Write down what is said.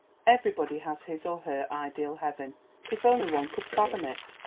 Everybody has his or her ideal Heaven, if only one could fathom it.